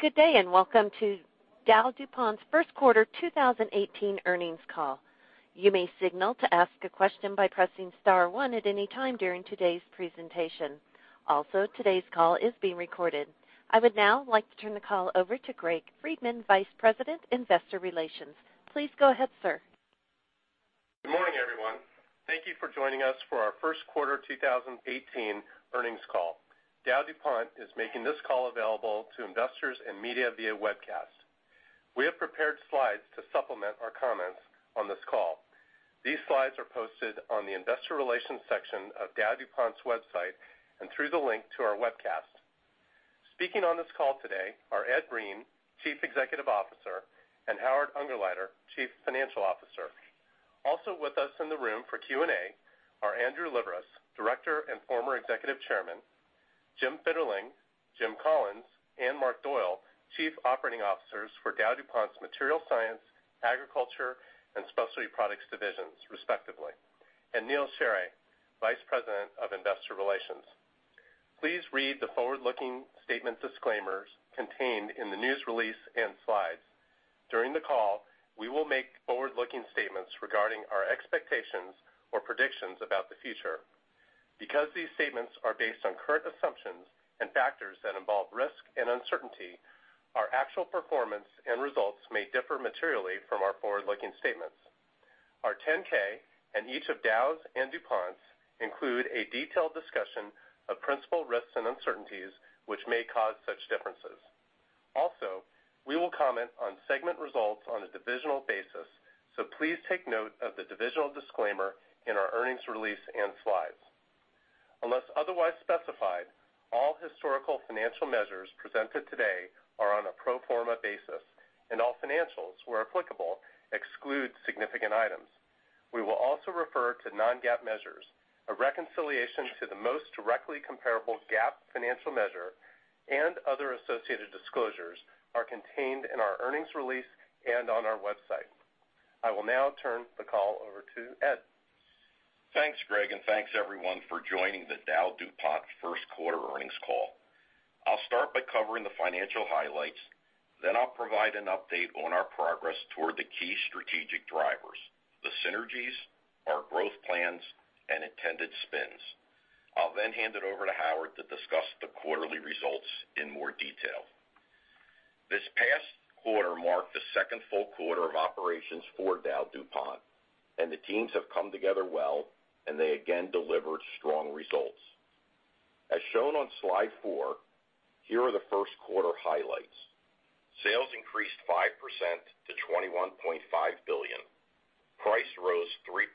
Good day. Welcome to DowDuPont's first quarter 2018 earnings call. You may signal to ask a question by pressing star one at any time during today's presentation. Also, today's call is being recorded. I would now like to turn the call over to Gregory Friedman, Vice President, Investor Relations. Please go ahead, sir. Good morning, everyone. Thank you for joining us for our first quarter 2018 earnings call. DowDuPont is making this call available to investors and media via webcast. We have prepared slides to supplement our comments on this call. These slides are posted on the investor relations section of DowDuPont's website and through the link to our webcast. Speaking on this call today are Ed Breen, Chief Executive Officer, and Howard Ungerleider, Chief Financial Officer. Also with us in the room for Q&A are Andrew Liveris, Director and former Executive Chairman, Jim Fitterling, Jim Collins, and Marc Doyle, Chief Operating Officers for DowDuPont's Materials Science, Agriculture, and Specialty Products divisions, respectively, and Gregory Friedman, Vice President of Investor Relations. Please read the forward-looking statements disclaimers contained in the news release and slides. During the call, we will make forward-looking statements regarding our expectations or predictions about the future. Because these statements are based on current assumptions and factors that involve risk and uncertainty, our actual performance and results may differ materially from our forward-looking statements. Our 10K and each of Dow's and DuPont's include a detailed discussion of principal risks and uncertainties, which may cause such differences. We will comment on segment results on a divisional basis, so please take note of the divisional disclaimer in our earnings release and slides. Unless otherwise specified, all historical financial measures presented today are on a pro forma basis, and all financials, where applicable, exclude significant items. We will also refer to non-GAAP measures. A reconciliation to the most directly comparable GAAP financial measure and other associated disclosures are contained in our earnings release and on our website. I will now turn the call over to Ed. Thanks, Greg. Thanks everyone for joining the DowDuPont first quarter earnings call. I'll start by covering the financial highlights. I'll provide an update on our progress toward the key strategic drivers, the synergies, our growth plans, and intended spins. I'll hand it over to Howard to discuss the quarterly results in more detail. This past quarter marked the second full quarter of operations for DowDuPont. The teams have come together well, and they again delivered strong results. As shown on slide four, here are the first quarter highlights. Sales increased 5% to $21.5 billion. Price rose 3%,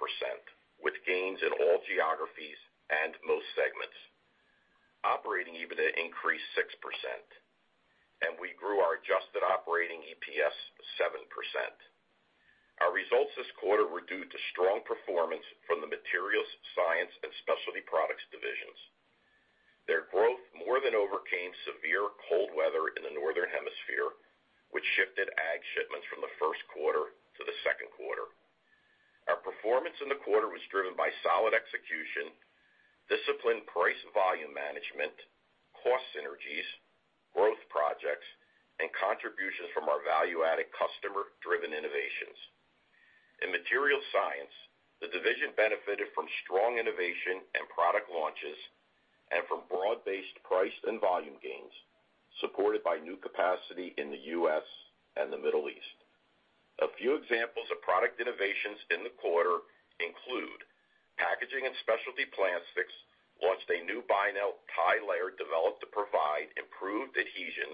with gains in all geographies and most segments. Operating EBITDA increased 6%, and we grew our adjusted operating EPS 7%. Our results this quarter were due to strong performance from the Materials Science and Specialty Products divisions. Their growth more than overcame severe cold weather in the northern hemisphere, which shifted Ag shipments from the first quarter to the second quarter. Our performance in the quarter was driven by solid execution, disciplined price volume management, cost synergies, growth projects, and contributions from our value-added customer-driven innovations. In Materials Science, the division benefited from strong innovation and product launches and from broad-based price and volume gains, supported by new capacity in the U.S. and the Middle East. A few examples of product innovations in the quarter include Packaging & Specialty Plastics launched a new Bynel tie layer developed to provide improved adhesion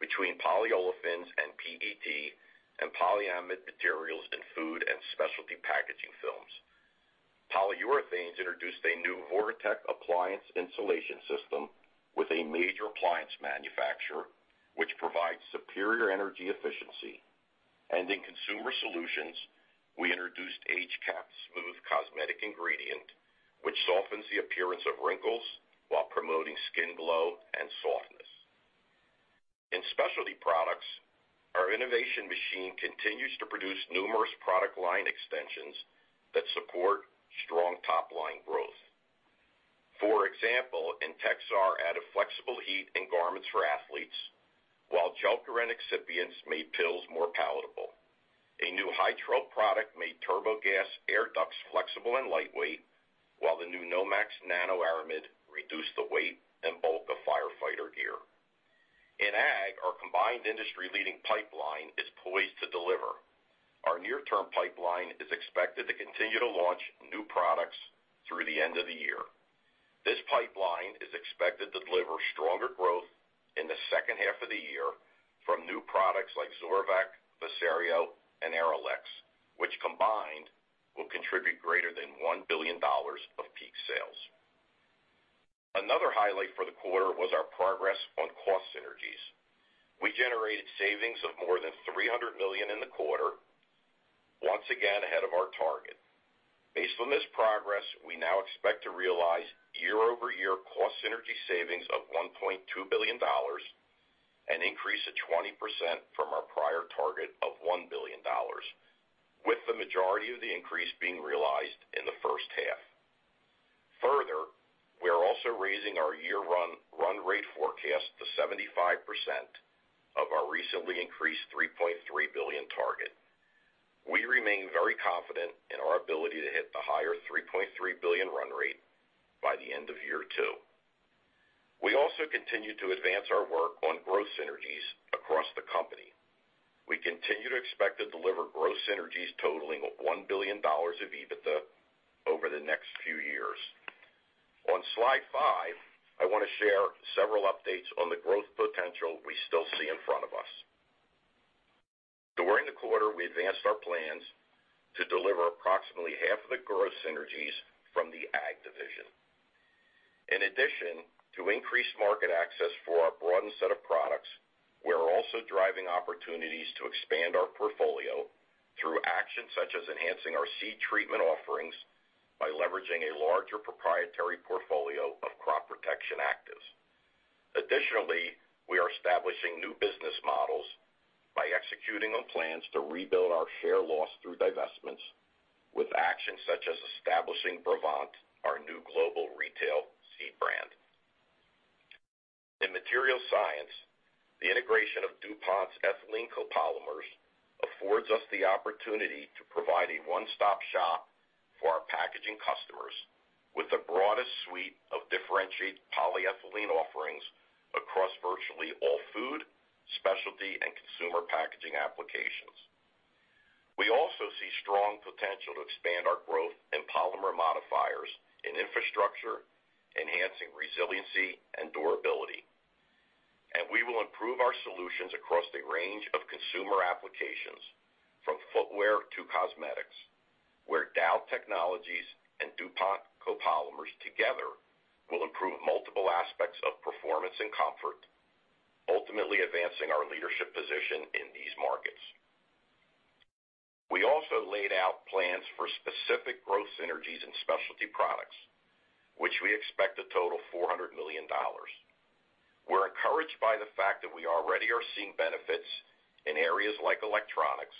between polyolefins and PET, and polyamide materials in food and specialty packaging films. Polyurethanes introduced a new VORATEC appliance insulation system with a major appliance manufacturer, which provides superior energy efficiency. In Consumer Solutions, we introduced AgeCap Smooth cosmetic ingredient, which softens the appearance of wrinkles while promoting skin glow and softness. In Specialty Products, our innovation machine continues to produce numerous product line extensions that support strong top-line growth. For example, Intexar added flexible heat in garments for athletes, while Gelcarin excipients made pills more palatable. A new Hytrel product made Turbo Gas air ducts flexible and lightweight, while the new Nomex nano aramid reduced the weight and bulk of firefighter gear. In Ag, our combined industry-leading pipeline is poised to deliver. Our near-term pipeline is expected to continue to launch new products through the end of the year. This pipeline is expected to deliver stronger growth in the second half of the year from new products like Zorvec, Vasario, and Arylex, which combined will contribute greater than $1 billion of peak sales. Another highlight for the quarter was our progress on cost synergies. We generated savings of more than $300 million in the quarter, once again ahead of our target. Based on this progress, we now expect to realize year-over-year cost synergy savings of $1.2 billion Increase of 20% from our prior target of $1 billion, with the majority of the increase being realized in the first half. Further, we are also raising our year run rate forecast to 75% of our recently increased $3.3 billion target. We remain very confident in our ability to hit the higher $3.3 billion run rate by the end of year two. We also continue to advance our work on growth synergies across the company. We continue to expect to deliver growth synergies totaling $1 billion of EBITDA over the next few years. On slide five, I want to share several updates on the growth potential we still see in front of us. During the quarter, we advanced our plans to deliver approximately half of the growth synergies from the Ag division. In addition to increased market access for our broadened set of products, we are also driving opportunities to expand our portfolio through actions such as enhancing our seed treatment offerings by leveraging a larger proprietary portfolio of crop protection actives. Additionally, we are establishing new business models by executing on plans to rebuild our share loss through divestments with actions such as establishing Brevant, our new global retail seed brand. In Materials Science, the integration of DuPont's ethylene copolymers affords us the opportunity to provide a one-stop shop for our packaging customers with the broadest suite of differentiated polyethylene offerings across virtually all food, specialty, and consumer packaging applications. We also see strong potential to expand our growth in polymer modifiers in infrastructure, enhancing resiliency and durability. We will improve our solutions across a range of consumer applications, from footwear to cosmetics, where Dow technologies and DuPont copolymers together will improve multiple aspects of performance and comfort, ultimately advancing our leadership position in these markets. We also laid out plans for specific growth synergies in Specialty Products, which we expect to total $400 million. We are encouraged by the fact that we already are seeing benefits in areas like Electronics,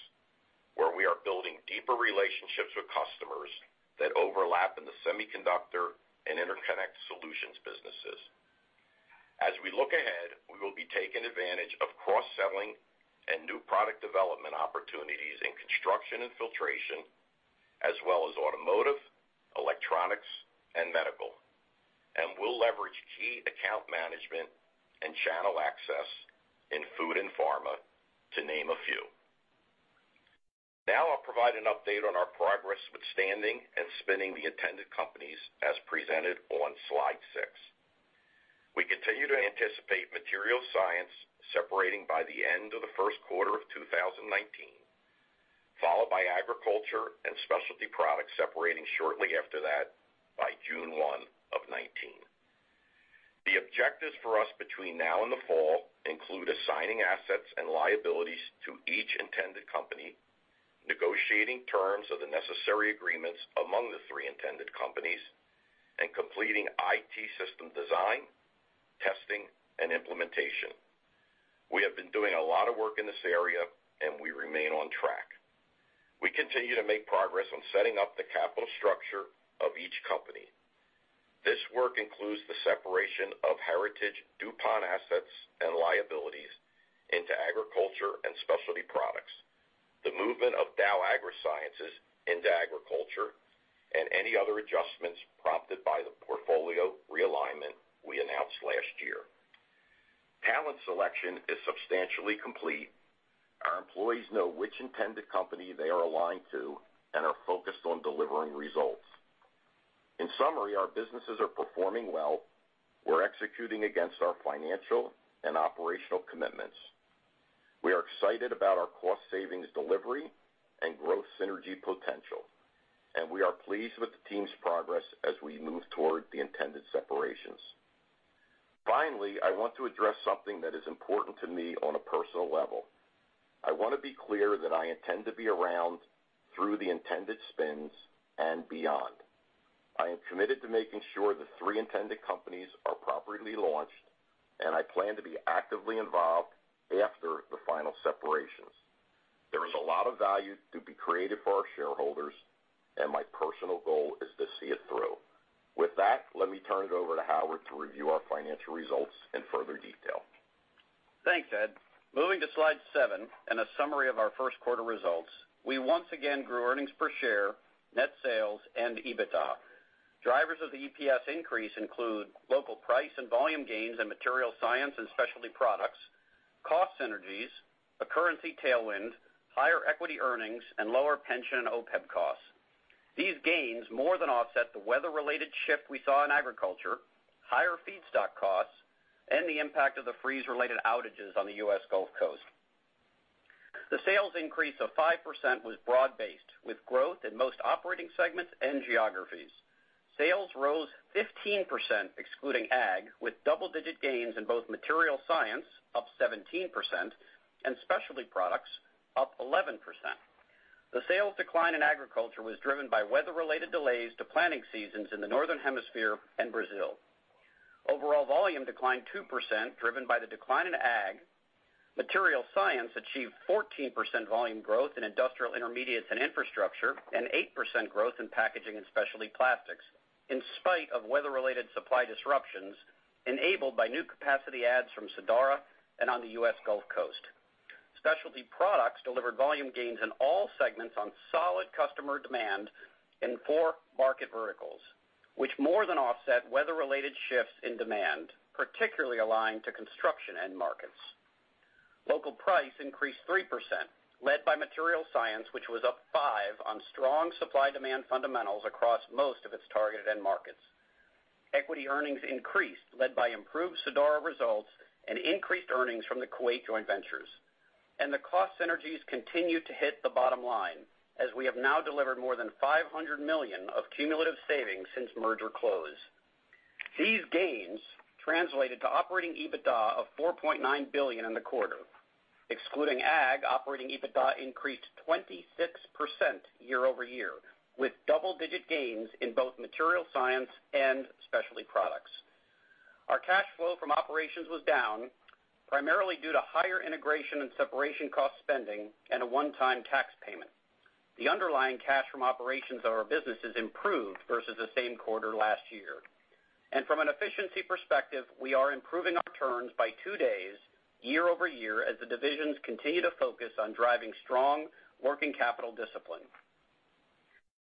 where we are building deeper relationships with customers that overlap in the semiconductor and interconnect solutions businesses. As we look ahead, we will be taking advantage of cross-selling and new product development opportunities in construction and filtration, as well as automotive, Electronics, and medical. We will leverage key account management and channel access in food and pharma, to name a few. Now I will provide an update on our progress with standing and spinning the intended companies, as presented on slide six. We continue to anticipate Materials Science separating by the end of the first quarter of 2019, followed by Agriculture and Specialty Products separating shortly after that by June 1, 2019. The objectives for us between now and the fall include assigning assets and liabilities to each intended company, negotiating terms of the necessary agreements among the three intended companies, and completing IT system design, testing, and implementation. We have been doing a lot of work in this area, and we remain on track. We continue to make progress on setting up the capital structure of each company. This work includes the separation of heritage DuPont assets and liabilities into Agriculture and Specialty Products, the movement of Dow AgroSciences into Agriculture, and any other adjustments prompted by the portfolio realignment we announced last year. Talent selection is substantially complete. Our employees know which intended company they are aligned to and are focused on delivering results. In summary, our businesses are performing well. We are executing against our financial and operational commitments. We are excited about our cost savings delivery and growth synergy potential, and we are pleased with the team's progress as we move toward the intended separations. Finally, I want to address something that is important to me on a personal level. I want to be clear that I intend to be around through the intended spins and beyond. I am committed to making sure the three intended companies are properly launched, and I plan to be actively involved after the final separations. There is a lot of value to be created for our shareholders, and my personal goal is to see it through. With that, let me turn it over to Howard to review our financial results in further detail. Thanks, Ed. Moving to slide seven and a summary of our first quarter results. We once again grew earnings per share, net sales, and EBITDA. Drivers of the EPS increase include local price and volume gains in Materials Science and Specialty Products, cost synergies, a currency tailwind, higher equity earnings, and lower pension and OPEB costs. These gains more than offset the weather-related shift we saw in Agriculture, higher feedstock costs, and the impact of the freeze-related outages on the U.S. Gulf Coast. The sales increase of 5% was broad-based, with growth in most operating segments and geographies. Sales rose 15%, excluding Ag, with double-digit gains in both Materials Science, up 17%, and Specialty Products, up 11%. The sales decline in agriculture was driven by weather-related delays to planting seasons in the Northern Hemisphere and Brazil. Overall volume declined 2%, driven by the decline in ag. Materials Science achieved 14% volume growth in Industrial Intermediates & Infrastructure, and 8% growth in Packaging & Specialty Plastics, in spite of weather-related supply disruptions enabled by new capacity adds from Sadara and on the U.S. Gulf Coast. Specialty Products delivered volume gains in all segments on solid customer demand in four market verticals, which more than offset weather-related shifts in demand, particularly aligned to construction end markets. Local price increased 3%, led by Materials Science, which was up five on strong supply-demand fundamentals across most of its targeted end markets. Equity earnings increased, led by improved Sadara results and increased earnings from the Kuwait joint ventures. The cost synergies continue to hit the bottom line as we have now delivered more than $500 million of cumulative savings since merger close. These gains translated to operating EBITDA of $4.9 billion in the quarter. Excluding ag, operating EBITDA increased 26% year-over-year, with double-digit gains in both Materials Science and Specialty Products. Our cash flow from operations was down, primarily due to higher integration and separation cost spending and a one-time tax payment. The underlying cash from operations of our businesses improved versus the same quarter last year. From an efficiency perspective, we are improving our turns by two days year-over-year as the divisions continue to focus on driving strong working capital discipline.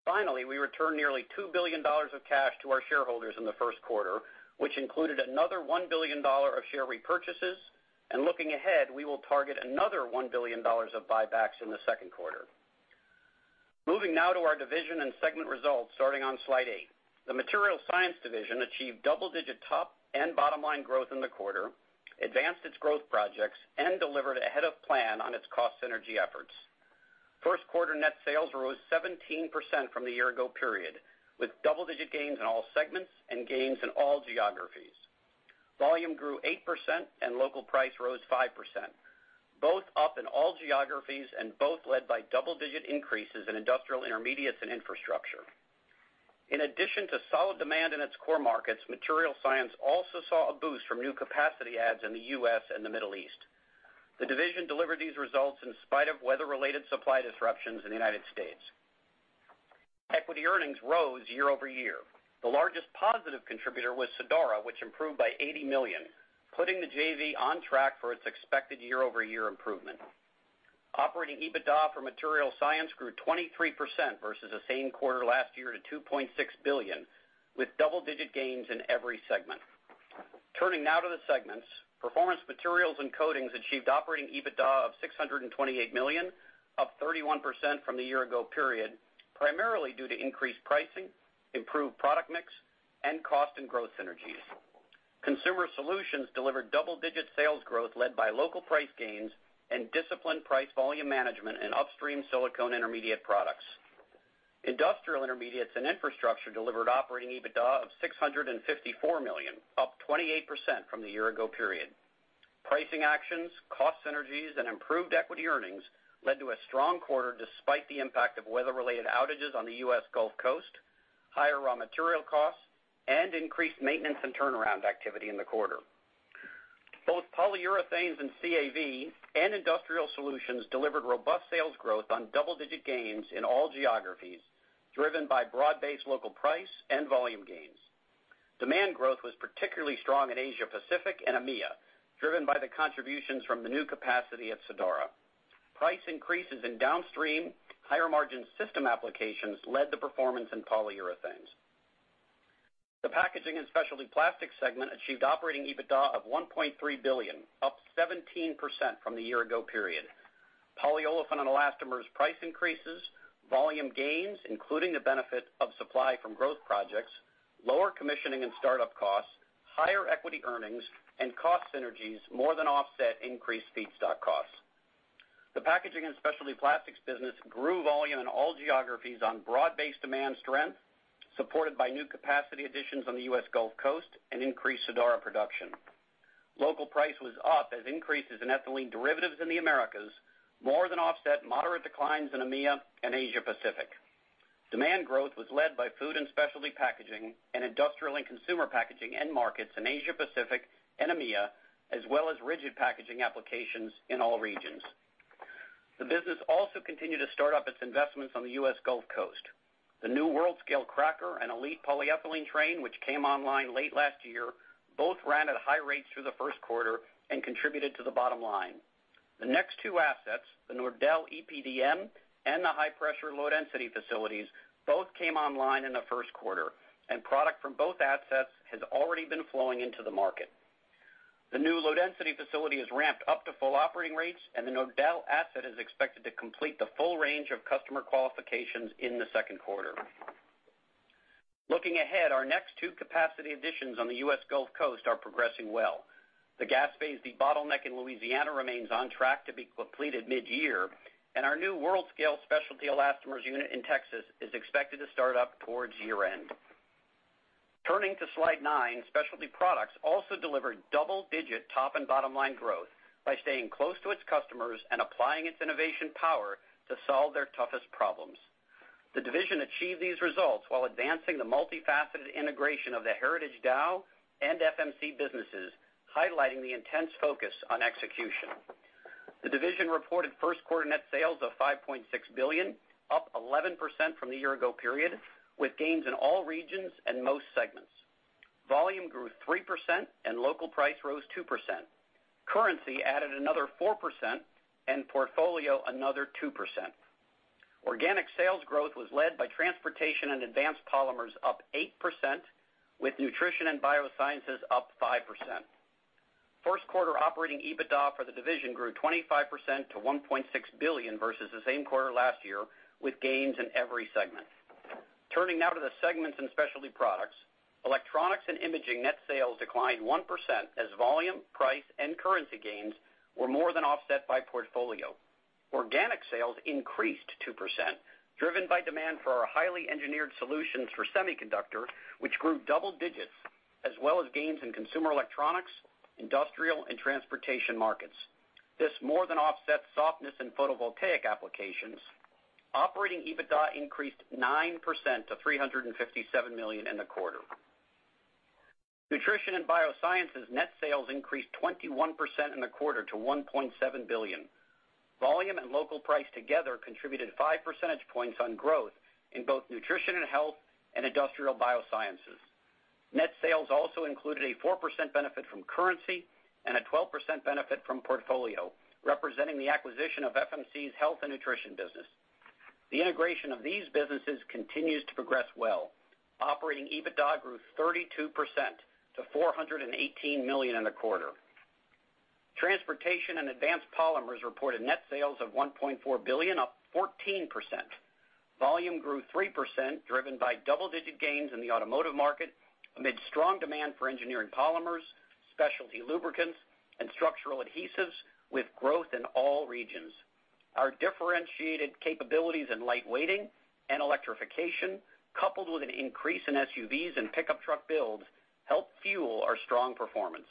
Finally, we returned nearly $2 billion of cash to our shareholders in the first quarter, which included another $1 billion of share repurchases. Looking ahead, we will target another $1 billion of buybacks in the second quarter. Moving now to our division and segment results, starting on slide eight. The Materials Science division achieved double-digit top and bottom-line growth in the quarter, advanced its growth projects, and delivered ahead of plan on its cost synergy efforts. First quarter net sales rose 17% from the year ago period, with double-digit gains in all segments and gains in all geographies. Volume grew 8% and local price rose 5%, both up in all geographies and both led by double-digit increases in Industrial Intermediates & Infrastructure. In addition to solid demand in its core markets, Materials Science also saw a boost from new capacity adds in the U.S. and the Middle East. The division delivered these results in spite of weather-related supply disruptions in the United States. Equity earnings rose year-over-year. The largest positive contributor was Sadara, which improved by $80 million, putting the JV on track for its expected year-over-year improvement. Operating EBITDA for Materials Science grew 23% versus the same quarter last year to $2.6 billion, with double-digit gains in every segment. Turning now to the segments. Performance Materials & Coatings achieved operating EBITDA of $628 million, up 31% from the year ago period, primarily due to increased pricing, improved product mix, and cost and growth synergies. Consumer Solutions delivered double-digit sales growth led by local price gains and disciplined price volume management in upstream silicone intermediate products. Industrial Intermediates & Infrastructure delivered operating EBITDA of $654 million, up 28% from the year ago period. Pricing actions, cost synergies, improved equity earnings led to a strong quarter despite the impact of weather-related outages on the U.S. Gulf Coast, higher raw material costs, and increased maintenance and turnaround activity in the quarter. Both Polyurethanes and CAV and Industrial Solutions delivered robust sales growth on double-digit gains in all geographies, driven by broad-based local price and volume gains. Demand growth was particularly strong in Asia Pacific and EMEIA, driven by the contributions from the new capacity at Sadara. Price increases in downstream higher-margin system applications led the performance in polyurethanes. The Packaging & Specialty Plastics segment achieved operating EBITDA of $1.3 billion, up 17% from the year ago period. Polyolefin and Elastomers price increases, volume gains, including the benefit of supply from growth projects, lower commissioning and startup costs, higher equity earnings, and cost synergies more than offset increased feedstock costs. The Packaging & Specialty Plastics business grew volume in all geographies on broad-based demand strength, supported by new capacity additions on the U.S. Gulf Coast and increased Sadara production. Local price was up as increases in ethylene derivatives in the Americas more than offset moderate declines in EMEIA and Asia Pacific. Demand growth was led by food and specialty packaging and industrial and consumer packaging end markets in Asia Pacific and EMEIA, as well as rigid packaging applications in all regions. The business also continued to start up its investments on the U.S. Gulf Coast. The new world-scale cracker and ELITE polyethylene train, which came online late last year, both ran at high rates through the first quarter and contributed to the bottom line. The next two assets, the Nordel EPDM and the high-pressure, low-density facilities, both came online in the first quarter, and product from both assets has already been flowing into the market. The new low-density facility is ramped up to full operating rates, and the Nordel asset is expected to complete the full range of customer qualifications in the second quarter. Looking ahead, our next two capacity additions on the U.S. Gulf Coast are progressing well. The gas-phase debottleneck in Louisiana remains on track to be completed mid-year, and our new world-scale specialty elastomers unit in Texas is expected to start up towards year-end. Turning to slide nine, Specialty Products also delivered double-digit top and bottom-line growth by staying close to its customers and applying its innovation power to solve their toughest problems. The division achieved these results while advancing the multifaceted integration of the Heritage Dow and FMC businesses, highlighting the intense focus on execution. The division reported first quarter net sales of $5.6 billion, up 11% from the year ago period, with gains in all regions and most segments. Volume grew 3% and local price rose 2%. Currency added another 4% and portfolio another 2%. Organic sales growth was led by Transportation & Advanced Polymers up 8%, with Nutrition & Biosciences up 5%. First quarter operating EBITDA for the division grew 25% to $1.6 billion versus the same quarter last year, with gains in every segment. Turning now to the segments in Specialty Products, Electronics & Imaging net sales declined 1% as volume, price, and currency gains were more than offset by portfolio. Organic sales increased 2%, driven by demand for our highly engineered solutions for semiconductor, which grew double digits, as well as gains in consumer electronics, industrial, and transportation markets. This more than offset softness in photovoltaic applications. Operating EBITDA increased 9% to $357 million in the quarter. Nutrition & Biosciences net sales increased 21% to $1.7 billion. Volume and local price together contributed 5 percentage points on growth in both nutrition and health and industrial biosciences. Net sales also included a 4% benefit from currency and a 12% benefit from portfolio, representing the acquisition of FMC's health and nutrition business. The integration of these businesses continues to progress well. Operating EBITDA grew 32% to $418 million in the quarter. Transportation & Advanced Polymers reported net sales of $1.4 billion, up 14%. Volume grew 3%, driven by double-digit gains in the automotive market amid strong demand for engineering polymers, specialty lubricants, and structural adhesives with growth in all regions. Our differentiated capabilities in lightweighting and electrification, coupled with an increase in SUVs and pickup truck builds, helped fuel our strong performance.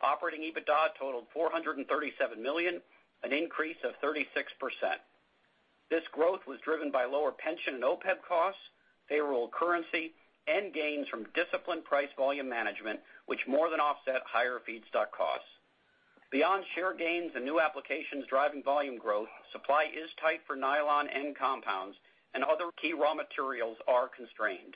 Operating EBITDA totaled $437 million, an increase of 36%. This growth was driven by lower pension and OPEB costs, favorable currency, and gains from disciplined price volume management, which more than offset higher feedstock costs. Beyond share gains and new applications driving volume growth, supply is tight for nylon end compounds, and other key raw materials are constrained.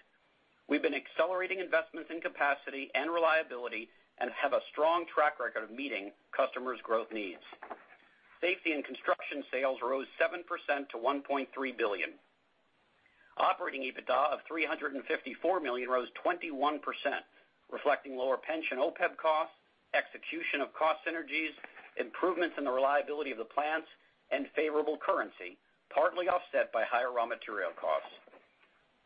We've been accelerating investments in capacity and reliability and have a strong track record of meeting customers' growth needs. Safety & Construction sales rose 7% to $1.3 billion. Operating EBITDA of $354 million rose 21%, reflecting lower pension OPEB costs, execution of cost synergies, improvements in the reliability of the plants, and favorable currency, partly offset by higher raw material costs.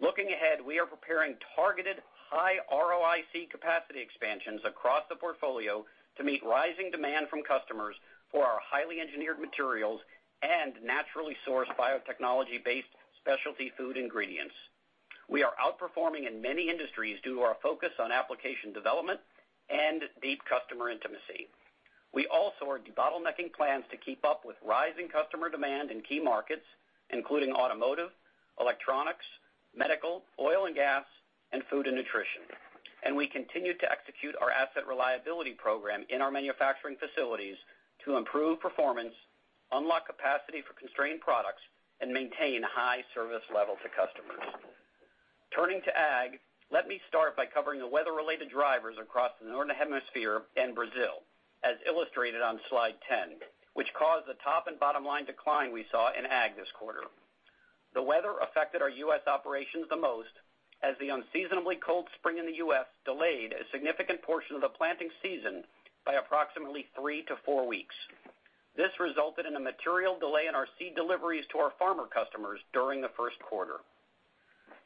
Looking ahead, we are preparing targeted high ROIC capacity expansions across the portfolio to meet rising demand from customers for our highly engineered materials and naturally sourced biotechnology-based specialty food ingredients. We are outperforming in many industries due to our focus on application development and deep customer intimacy. We also are debottlenecking plans to keep up with rising customer demand in key markets, including automotive, electronics, medical, oil and gas, and food and nutrition. We continue to execute our asset reliability program in our manufacturing facilities to improve performance, unlock capacity for constrained products, and maintain high service level to customers. Turning to Ag, let me start by covering the weather-related drivers across the Northern Hemisphere and Brazil, as illustrated on slide 10, which caused the top and bottom-line decline we saw in Ag this quarter. The weather affected our U.S. operations the most as the unseasonably cold spring in the U.S. delayed a significant portion of the planting season by approximately three to four weeks. This resulted in a material delay in our seed deliveries to our farmer customers during the first quarter.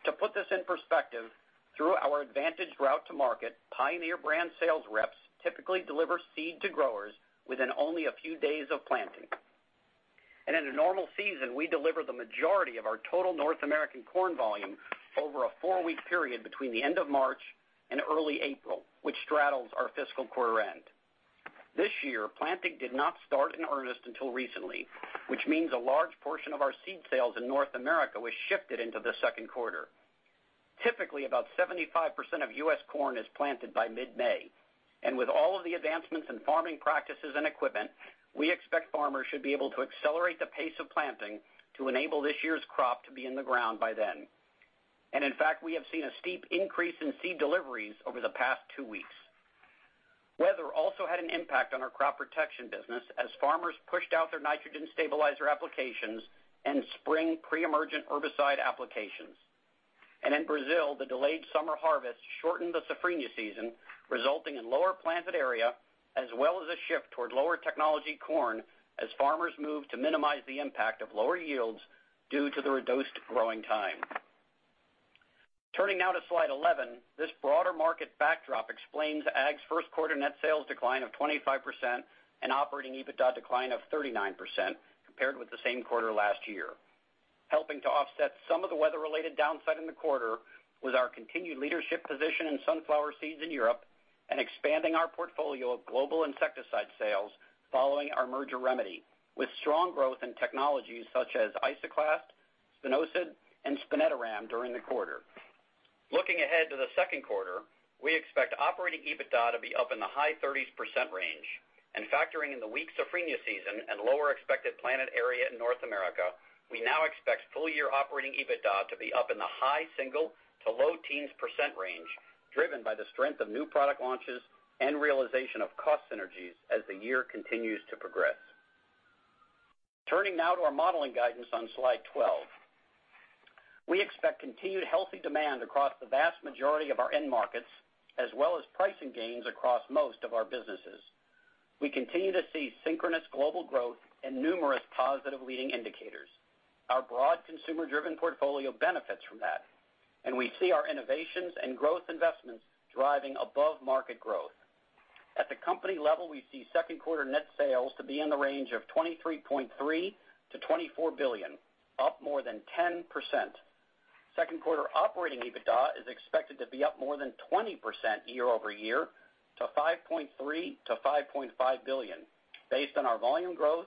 To put this in perspective, through our advantage route to market, Pioneer brand sales reps typically deliver seed to growers within only a few days of planting. In a normal season, we deliver the majority of our total North American corn volume over a four-week period between the end of March and early April, which straddles our fiscal quarter end. This year, planting did not start in earnest until recently, which means a large portion of our seed sales in North America was shifted into the second quarter. Typically, about 75% of U.S. corn is planted by mid-May, and with all of the advancements in farming practices and equipment, we expect farmers should be able to accelerate the pace of planting to enable this year's crop to be in the ground by then. In fact, we have seen a steep increase in seed deliveries over the past two weeks. Weather also had an impact on our crop protection business as farmers pushed out their nitrogen stabilizer applications and spring pre-emergent herbicide applications. In Brazil, the delayed summer harvest shortened the safrinha season, resulting in lower planted area, as well as a shift toward lower technology corn as farmers moved to minimize the impact of lower yields due to the reduced growing time. Turning now to slide 11, this broader market backdrop explains Ag's first quarter net sales decline of 25% and operating EBITDA decline of 39% compared with the same quarter last year. Helping to offset some of the weather-related downside in the quarter was our continued leadership position in sunflower seeds in Europe and expanding our portfolio of global insecticide sales following our merger remedy, with strong growth in technologies such as Isoclast, spinosad, and spinetoram during the quarter. Looking ahead to the second quarter, we expect operating EBITDA to be up in the high 30s% range and factoring in the weak safrinha season and lower expected planted area in North America, we now expect full-year operating EBITDA to be up in the high single to low teens% range, driven by the strength of new product launches and realization of cost synergies as the year continues to progress. Turning now to our modeling guidance on slide 12. We expect continued healthy demand across the vast majority of our end markets, as well as pricing gains across most of our businesses. We continue to see synchronous global growth and numerous positive leading indicators. Our broad consumer-driven portfolio benefits from that, and we see our innovations and growth investments driving above-market growth. At the company level, we see second quarter net sales to be in the range of $23.3 billion-$24 billion, up more than 10%. Second quarter operating EBITDA is expected to be up more than 20% year-over-year to $5.3 billion-$5.5 billion. Based on our volume growth,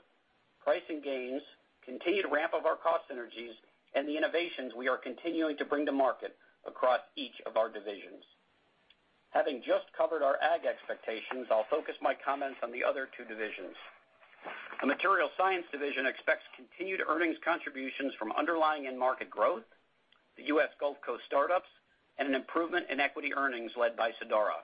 pricing gains, continued ramp of our cost synergies, and the innovations we are continuing to bring to market across each of our divisions. Having just covered our Ag expectations, I'll focus my comments on the other two divisions. The Materials Science division expects continued earnings contributions from underlying end market growth, the U.S. Gulf Coast startups, and an improvement in equity earnings led by Sadara.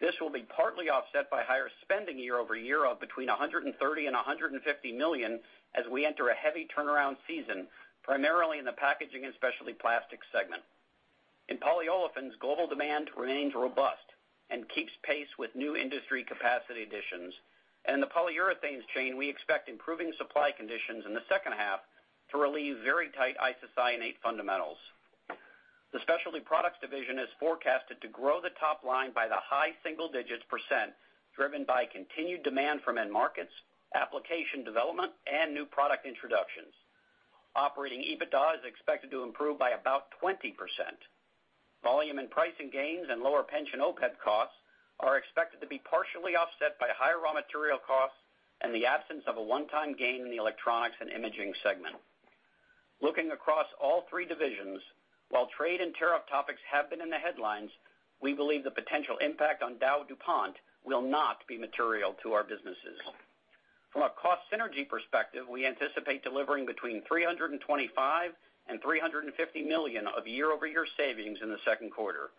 This will be partly offset by higher spending year-over-year of between $130 million and $150 million as we enter a heavy turnaround season, primarily in the Packaging & Specialty Plastics segment. In polyolefins, global demand remains robust and keeps pace with new industry capacity additions. In the polyurethanes chain, we expect improving supply conditions in the second half to relieve very tight isocyanate fundamentals. The Specialty Products division is forecasted to grow the top line by the high single digits%, driven by continued demand from end markets, application development, and new product introductions. Operating EBITDA is expected to improve by about 20%. Volume and pricing gains and lower pension OPEB costs are expected to be partially offset by higher raw material costs and the absence of a one-time gain in the Electronics & Imaging segment. Looking across all three divisions, while trade and tariff topics have been in the headlines, we believe the potential impact on DowDuPont will not be material to our businesses. From a cost synergy perspective, we anticipate delivering between $325 million and $350 million of year-over-year savings in the second quarter.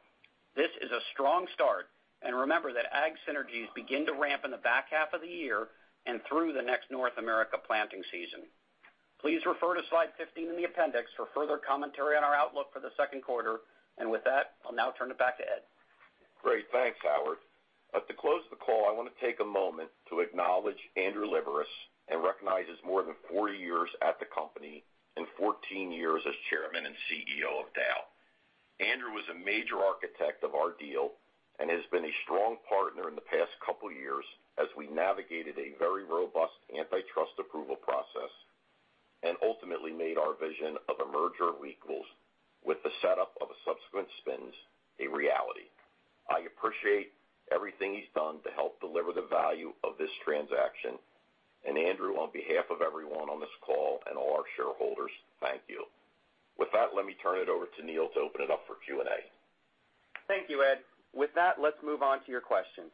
This is a strong start, and remember that Ag synergies begin to ramp in the back half of the year and through the next North America planting season. Please refer to slide 15 in the appendix for further commentary on our outlook for the second quarter. With that, I'll now turn it back to Ed. Great. Thanks, Howard. To close the call, I want to take a moment to acknowledge Andrew Liveris and recognize his more than 40 years at the company and 14 years as Chairman and CEO of Dow. Andrew was a major architect of our deal and has been a strong partner in the past couple of years as we navigated a very robust antitrust approval process and ultimately made our vision of a merger of equals with the setup of subsequent spins a reality. I appreciate everything he's done to help deliver the value of this transaction, Andrew, on behalf of everyone on this call and all our shareholders, thank you. With that, let me turn it over to Neil to open it up for Q&A. Thank you, Ed. With that, let's move on to your questions.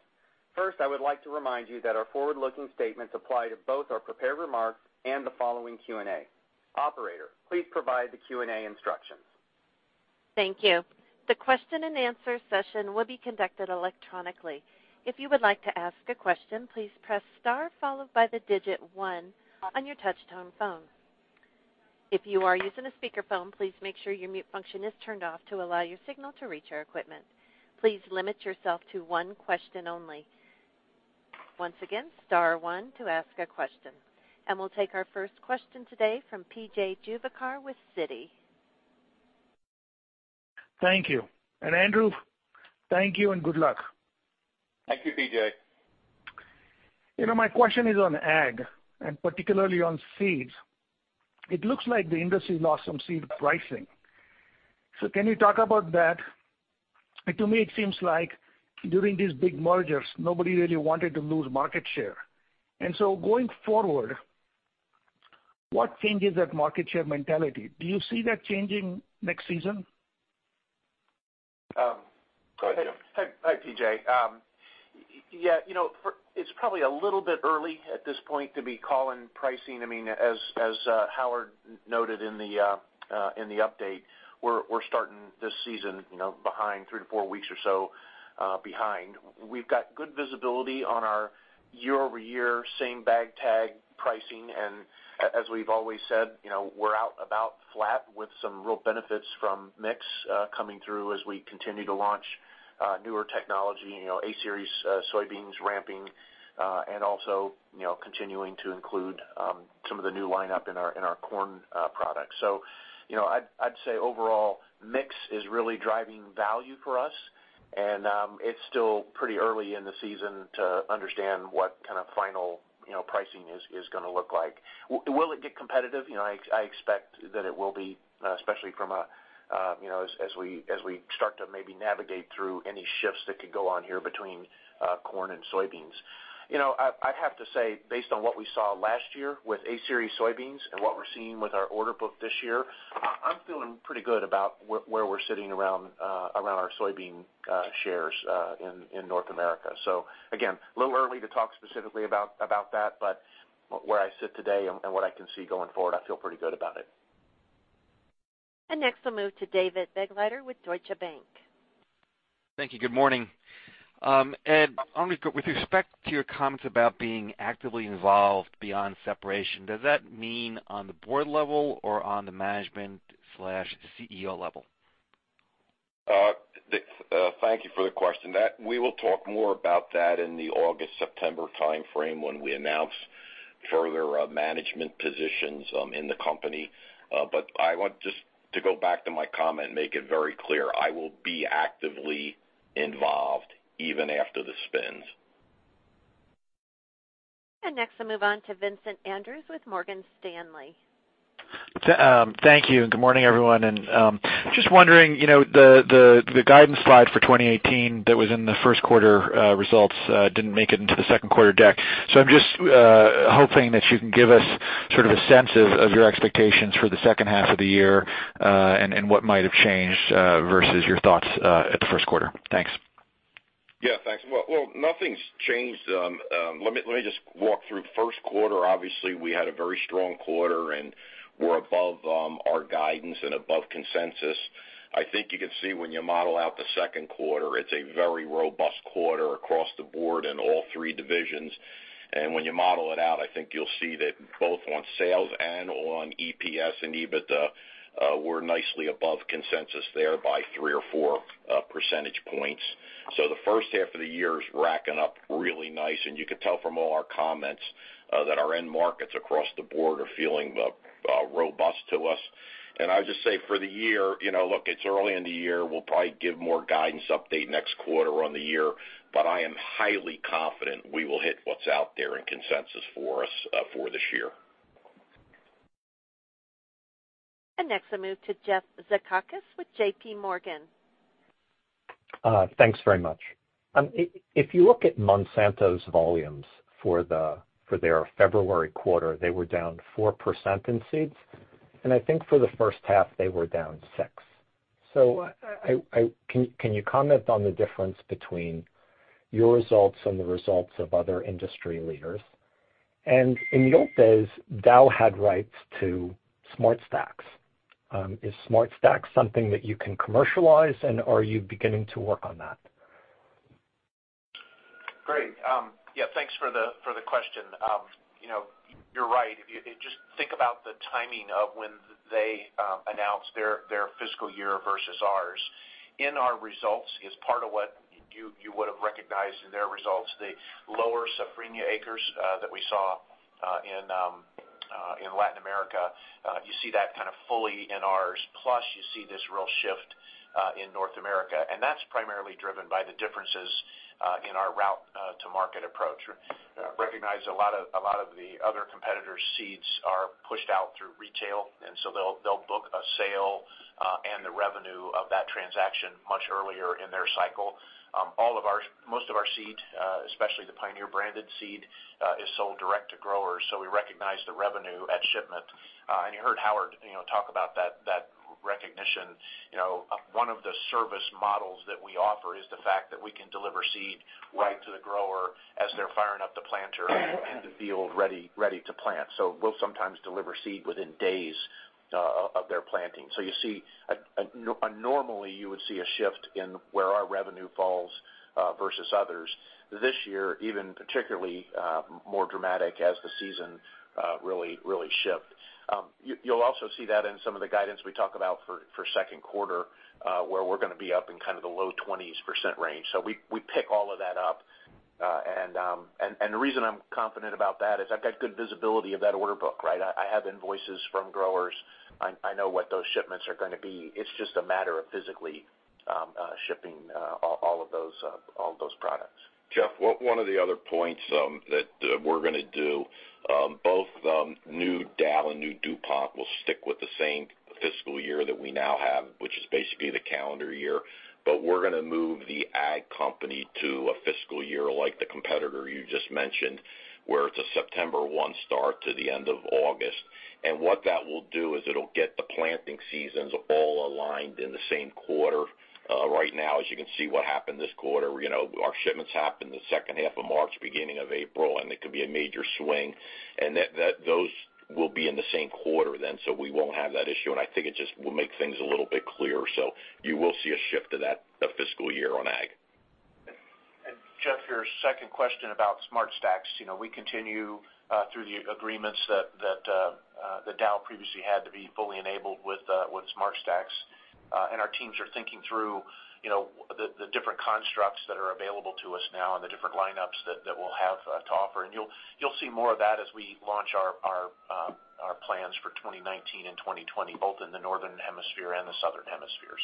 First, I would like to remind you that our forward-looking statements apply to both our prepared remarks and the following Q&A. Operator, please provide the Q&A instructions. Thank you. The question and answer session will be conducted electronically. If you would like to ask a question, please press star followed by the 1 on your touch-tone phone. If you are using a speakerphone, please make sure your mute function is turned off to allow your signal to reach our equipment. Please limit yourself to one question only. Once again, star 1 to ask a question. We'll take our first question today from P.J. Juvekar with Citi. Thank you. Andrew, thank you and good luck. Thank you, P.J. My question is on ag, particularly on seeds. It looks like the industry lost some seed pricing. Can you talk about that? To me, it seems like during these big mergers, nobody really wanted to lose market share. Going forward, what changes that market share mentality? Do you see that changing next season? Go ahead, Jim. Hi, P.J. It's probably a little bit early at this point to be calling pricing. As Howard noted in the update, we're starting this season three to four weeks or so behind. We've got good visibility on our year-over-year same bag tag pricing, and as we've always said, we're out about flat with some real benefits from mix coming through as we continue to launch newer technology, A-Series soybeans ramping, and also continuing to include some of the new lineup in our corn products. I'd say overall mix is really driving value for us. It's still pretty early in the season to understand what kind of final pricing is going to look like. Will it get competitive? I expect that it will be, especially as we start to maybe navigate through any shifts that could go on here between corn and soybeans. I'd have to say, based on what we saw last year with A-Series soybeans and what we're seeing with our order book this year, I'm feeling pretty good about where we're sitting around our soybean shares in North America. Again, a little early to talk specifically about that, but where I sit today and what I can see going forward, I feel pretty good about it. Next we'll move to David Begleiter with Deutsche Bank. Thank you. Good morning. Ed, with respect to your comments about being actively involved beyond separation, does that mean on the board level or on the management/CEO level? Thank you for the question. We will talk more about that in the August-September timeframe when we announce further management positions in the company. I want just to go back to my comment and make it very clear: I will be actively involved even after the spins. Next, we'll move on to Vincent Andrews with Morgan Stanley. Thank you, and good morning, everyone. Just wondering, the guidance slide for 2018 that was in the first quarter results didn't make it into the second quarter deck. I'm just hoping that you can give us sort of a sense of your expectations for the second half of the year and what might have changed versus your thoughts at the first quarter. Thanks. Yeah, thanks. Well, nothing's changed. Let me just walk through first quarter. Obviously, we had a very strong quarter, and we're above our guidance and above consensus. I think you can see when you model out the second quarter, it's a very robust quarter across the board in all three divisions. When you model it out, I think you'll see that both on sales and on EPS and EBITDA, we're nicely above consensus there by three or four percentage points. The first half of the year is racking up really nice, and you can tell from all our comments that our end markets across the board are feeling robust to us. I would just say for the year, look, it's early in the year. We'll probably give more guidance update next quarter on the year. I am highly confident we will hit what's out there in consensus for us for this year. Next, I'll move to Jeff Zekauskas with JPMorgan. Thanks very much. If you look at Monsanto's volumes for their February quarter, they were down 4% in seeds, and I think for the first half, they were down 6%. Can you comment on the difference between your results and the results of other industry leaders? In traits, Dow had rights to SmartStax. Is SmartStax something that you can commercialize, and are you beginning to work on that? Great. Thanks for the question. You're right. If you just think about the timing of when they announced their fiscal year versus ours. In our results is part of what you would have recognized in their results, the lower safrinha acres that we saw in Latin America. You see that kind of fully in ours. Plus, you see this real shift in North America, and that's primarily driven by the differences in our route-to-market approach. Recognize a lot of the other competitors' seeds are pushed out through retail, they'll book a sale and the revenue of that transaction much earlier in their cycle. Most of our seed, especially the Pioneer-branded seed, is sold direct to growers. We recognize the revenue at shipment. You heard Howard talk about that recognition. One of the service models that we offer is the fact that we can deliver seed right to the grower as they're firing up the planter in the field ready to plant. We'll sometimes deliver seed within days of their planting. Normally, you would see a shift in where our revenue falls versus others. This year, even particularly more dramatic as the season really shipped. You'll also see that in some of the guidance we talk about for second quarter, where we're going to be up in kind of the low 20s% range. We pick all of that up. The reason I'm confident about that is I've got good visibility of that order book, right? I have invoices from growers. I know what those shipments are going to be. It's just a matter of physically shipping all of those products. Jeff, one of the other points that we're going to do, both new Dow and new DuPont will stick with the same fiscal year that we now have, which is basically the calendar year. We're going to move the Ag company to a fiscal year like the competitor you just mentioned, where it's a September 1 start to the end of August. What that will do is it'll get the planting seasons all aligned in the same quarter. Right now, as you can see what happened this quarter, our shipments happened the second half of March, beginning of April, it could be a major swing. Those will be in the same quarter then, so we won't have that issue, and I think it just will make things a little bit clearer. You will see a shift to that fiscal year on ag. Jeff, your second question about SmartStax. We continue through the agreements that Dow previously had to be fully enabled with SmartStax. Our teams are thinking through the different constructs that are available to us now and the different lineups that we'll have to offer. You'll see more of that as we launch our plans for 2019 and 2020, both in the Northern Hemisphere and the Southern Hemisphere.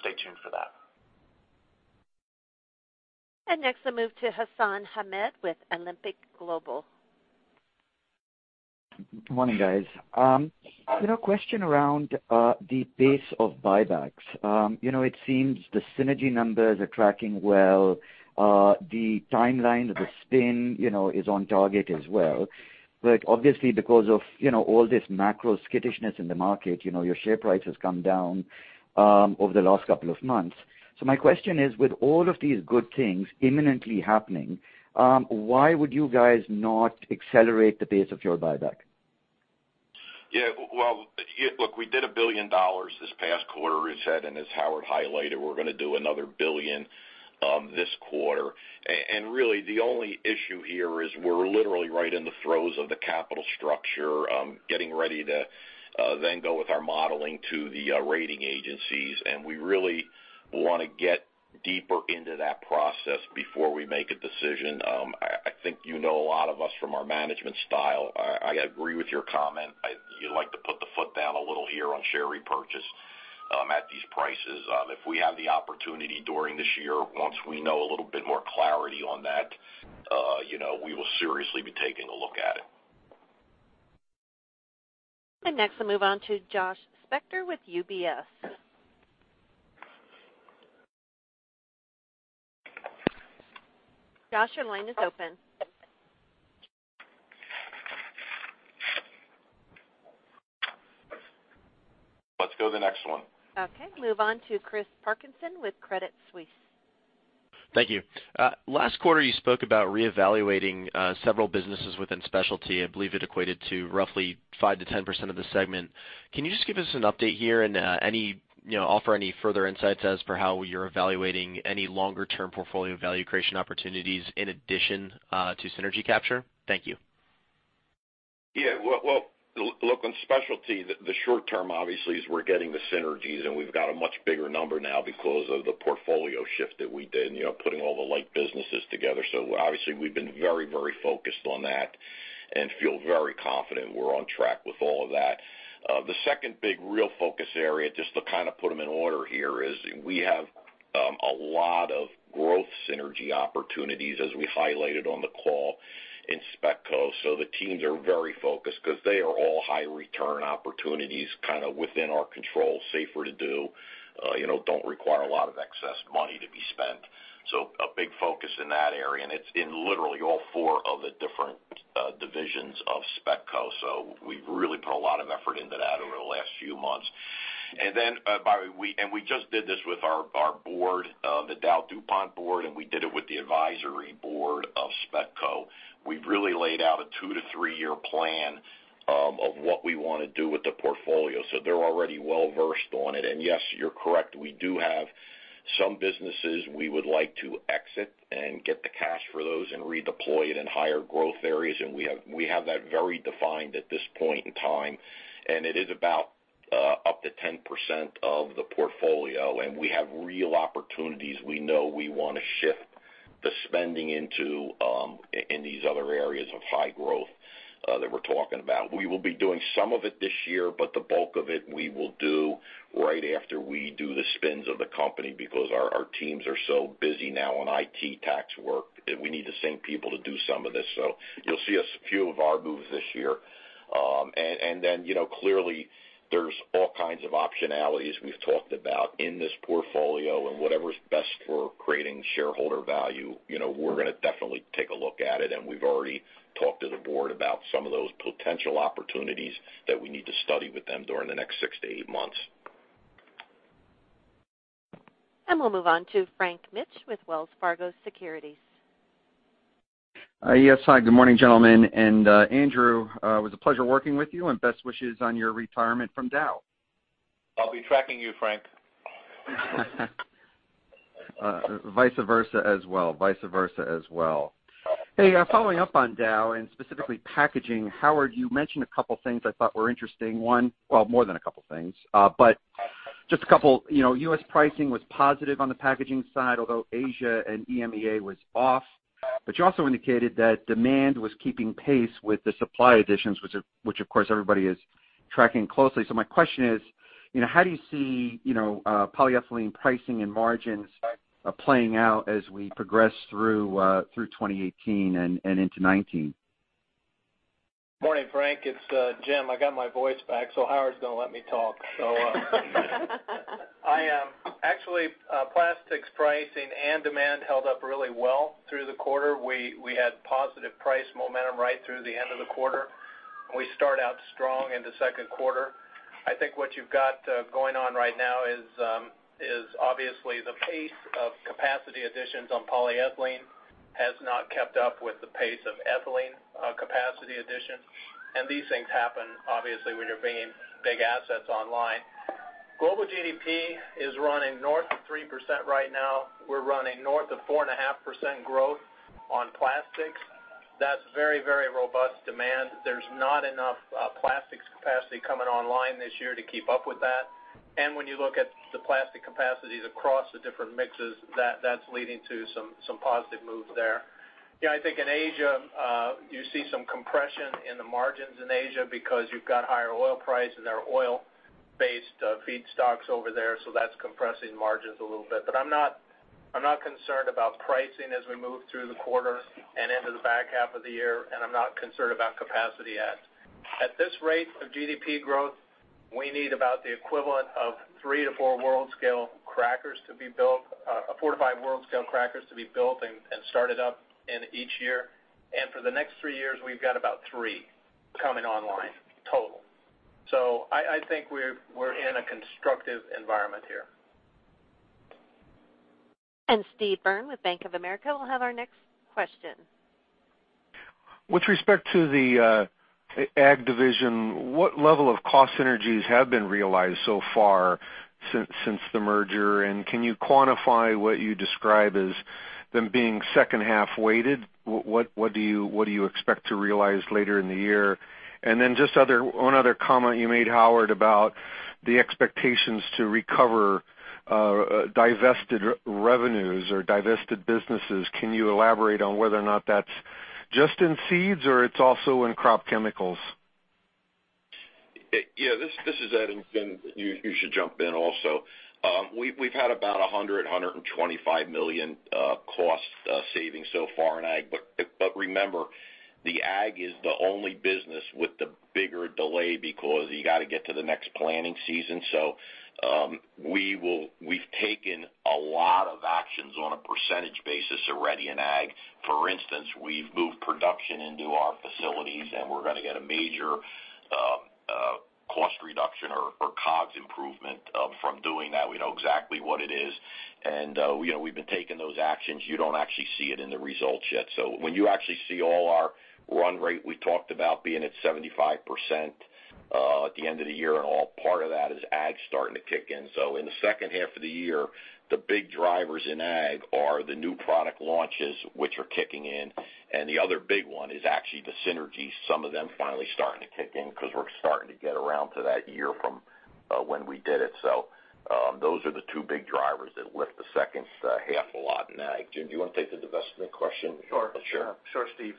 Stay tuned for that. Next I'll move to Hassan Ahmed with Alembic Global Advisors. Good morning, guys. A question around the pace of buybacks. It seems the synergy numbers are tracking well. The timeline of the spin is on target as well. Obviously because of all this macro skittishness in the market, your share price has come down over the last couple of months. My question is, with all of these good things imminently happening, why would you guys not accelerate the pace of your buyback? Well, look, we did $1 billion this past quarter, as Ed and as Howard highlighted. We're going to do another $1 billion this quarter. Really, the only issue here is we're literally right in the throes of the capital structure, getting ready to then go with our modeling to the rating agencies, and we really want to get deeper into that process before we make a decision. I think you know a lot of us from our management style. I agree with your comment. You'd like to put the foot down a little here on share repurchase at these prices. If we have the opportunity during this year, once we know a little bit more clarity on that, we will seriously be taking a look at it. Next I'll move on to Josh Spector with UBS. Josh, your line is open. Let's go to the next one. Okay, move on to Christopher Parkinson with Credit Suisse. Thank you. Last quarter you spoke about reevaluating several businesses within specialty. I believe it equated to roughly 5%-10% of the segment. Can you just give us an update here and offer any further insights as for how you're evaluating any longer term portfolio value creation opportunities in addition to synergy capture? Thank you. Yeah. Well, look, on specialty, the short term obviously is we're getting the synergies. We've got a much bigger number now because of the portfolio shift that we did, putting all the light businesses together. Obviously we've been very focused on that and feel very confident we're on track with all of that. The second big real focus area, just to kind of put them in order here is we have a lot of growth synergy opportunities as we highlighted on the call in SpecCo. The teams are very focused because they are all high return opportunities, kind of within our control, safer to do, don't require a lot of excess money to be spent. It's in literally all four of the different divisions of SpecCo. We've really put a lot of effort into that over the last few months. We just did this with our board, the DowDuPont board, and we did it with the advisory board of SpecCo. We've really laid out a 2-3 year plan of what we want to do with the portfolio. They're already well-versed on it. Yes, you're correct. We do have some businesses we would like to exit and get the cash for those and redeploy it in higher growth areas. We have that very defined at this point in time. It is about up to 10% of the portfolio, and we have real opportunities we know we want to shift the spending into in these other areas of high growth that we're talking about. We will be doing some of it this year, but the bulk of it we will do right after we do the spins of the company because our teams are so busy now on IT tax work that we need the same people to do some of this. You'll see a few of our moves this year. Then clearly there's all kinds of optionalities we've talked about in this portfolio, and whatever's best for creating shareholder value, we're going to definitely take a look at it, and we've already talked to the board about some of those potential opportunities that we need to study with them during the next 6-8 months. We'll move on to Frank Mitsch with Wells Fargo Securities. Yes. Hi, good morning, gentlemen. Andrew, it was a pleasure working with you and best wishes on your retirement from Dow. I'll be tracking you, Frank. Vice versa as well. Hey, following up on Dow and specifically packaging, Howard, you mentioned a couple things I thought were interesting. Well, more than a couple things. Just a couple, U.S. pricing was positive on the packaging side, although Asia and EMEA was off. You also indicated that demand was keeping pace with the supply additions, which of course everybody is tracking closely. My question is, how do you see polyethylene pricing and margins playing out as we progress through 2018 and into 2019? Morning, Frank, it's Jim. I got my voice back, so Howard's going to let me talk. Actually, plastics pricing and demand held up really well through the quarter. We had positive price momentum right through the end of the quarter, and we start out strong in the second quarter. I think what you've got going on right now is obviously the pace of capacity additions on polyethylene has not kept up with the pace of ethylene capacity additions, and these things happen obviously when you're bringing big assets online. Global GDP is running north of 3% right now. We're running north of 4.5% growth on plastics. That's very robust demand. There's not enough plastics capacity coming online this year to keep up with that. When you look at the plastic capacities across the different mixes, that's leading to some positive moves there Yeah, I think in Asia, you see some compression in the margins in Asia because you've got higher oil price and there are oil-based feedstocks over there, so that's compressing margins a little bit. I'm not concerned about pricing as we move through the quarter and into the back half of the year, and I'm not concerned about capacity adds. At this rate of GDP growth, we need about the equivalent of four to five world-scale crackers to be built and started up in each year. For the next three years, we've got about three coming online total. I think we're in a constructive environment here. Steve Byrne with Bank of America will have our next question. With respect to the Ag division, what level of cost synergies have been realized so far since the merger? Can you quantify what you describe as them being second-half weighted? What do you expect to realize later in the year? Just one other comment you made, Howard, about the expectations to recover divested revenues or divested businesses. Can you elaborate on whether or not that's just in seeds or it's also in crop chemicals? This is Ed, and Jim, you should jump in also. We've had about $100 million-$125 million cost savings so far in Ag. Remember, the Ag is the only business with the bigger delay because you got to get to the next planting season. We've taken a lot of actions on a percentage basis already in Ag. For instance, we've moved production into our facilities, and we're going to get a major cost reduction or COGS improvement from doing that. We know exactly what it is, and we've been taking those actions. You don't actually see it in the results yet. When you actually see all our run rate, we talked about being at 75% at the end of the year and all part of that is Ag starting to kick in. In the second half of the year, the big drivers in Ag are the new product launches, which are kicking in. The other big one is actually the synergies, some of them finally starting to kick in because we're starting to get around to that year from when we did it. Those are the two big drivers that lift the second half a lot in Ag. Jim, do you want to take the divestment question? Sure, Steve.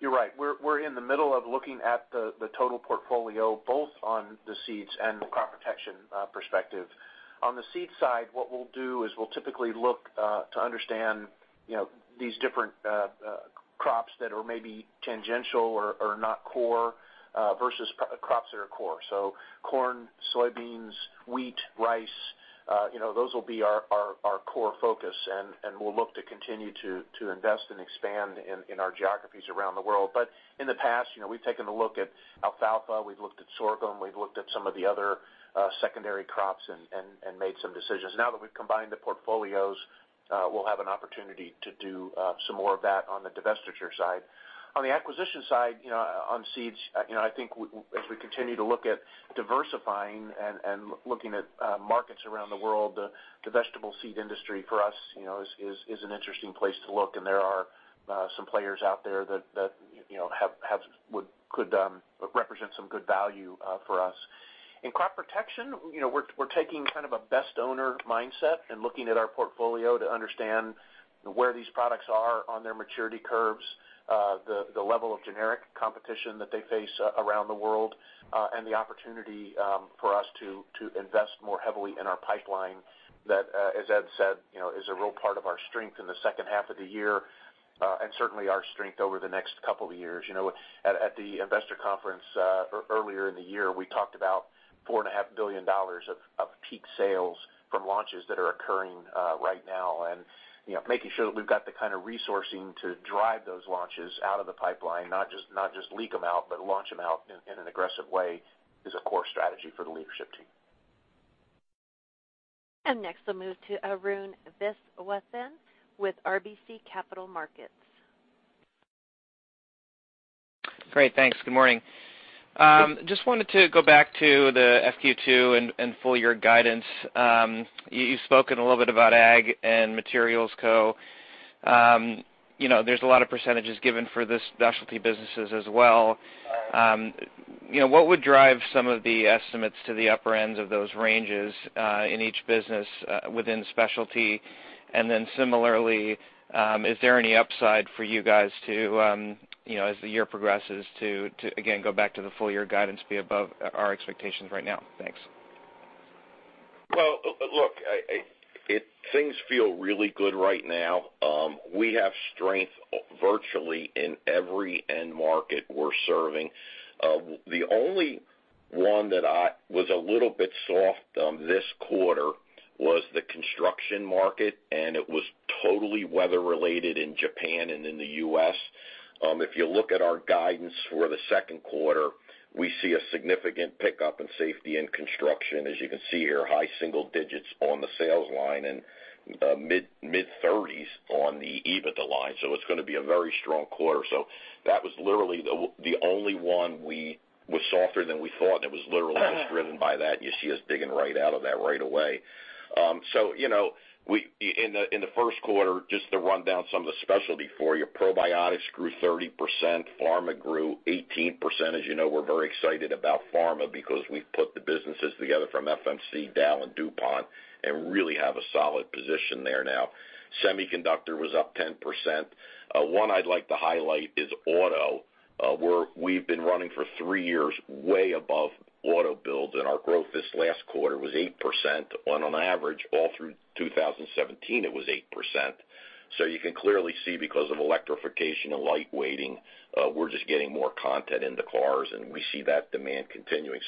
You're right. We're in the middle of looking at the total portfolio, both on the seeds and the crop protection perspective. On the seeds side, what we'll do is we'll typically look to understand these different crops that are maybe tangential or are not core versus crops that are core. Corn, soybeans, wheat, rice, those will be our core focus, and we'll look to continue to invest and expand in our geographies around the world. In the past, we've taken a look at alfalfa, we've looked at sorghum, we've looked at some of the other secondary crops and made some decisions. Now that we've combined the portfolios, we'll have an opportunity to do some more of that on the divestiture side. On the acquisition side, on seeds, I think as we continue to look at diversifying and looking at markets around the world, the vegetable seed industry for us is an interesting place to look. There are some players out there that could represent some good value for us. In crop protection, we're taking kind of a best owner mindset and looking at our portfolio to understand where these products are on their maturity curves, the level of generic competition that they face around the world, and the opportunity for us to invest more heavily in our pipeline that, as Ed said, is a real part of our strength in the second half of the year, and certainly our strength over the next couple of years. At the investor conference earlier in the year, we talked about $4.5 billion of peak sales from launches that are occurring right now, and making sure that we've got the kind of resourcing to drive those launches out of the pipeline, not just leak them out, but launch them out in an aggressive way is a core strategy for the leadership team. Next, I'll move to Arun Viswanathan with RBC Capital Markets. Great. Thanks. Good morning. Just wanted to go back to the FQ2 and full-year guidance. You've spoken a little bit about ag and Materials Co. There's a lot of percentages given for the specialty businesses as well. What would drive some of the estimates to the upper ends of those ranges in each business within specialty? Then similarly, is there any upside for you guys to, as the year progresses to, again, go back to the full-year guidance, be above our expectations right now? Thanks. Well, look, things feel really good right now. We have strength virtually in every end market we're serving. The only one that was a little bit soft this quarter was the construction market, and it was totally weather related in Japan and in the U.S. If you look at our guidance for the second quarter, we see a significant pickup in Safety & Construction. As you can see here, high single digits on the sales line and mid-30s on the EBITDA line. It's going to be a very strong quarter. That was literally the only one was softer than we thought. That was literally just driven by that, and you see us digging right out of that right away. In the first quarter, just to run down some of the specialty for you, probiotics grew 30%, pharma grew 18%. As you know, we're very excited about pharma because we've put the businesses together from FMC, Dow, and DuPont and really have a solid position there now. Semiconductor was up 10%. One I'd like to highlight is auto, where we've been running for three years way above auto builds, and our growth this last quarter was 8%, when on average all through 2017 it was 8%. You can clearly see because of electrification and lightweighting, we're just getting more content into cars, and we see that demand continuing.